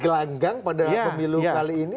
gelanggang pada pemilu kali ini